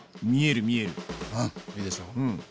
あっいいでしょう？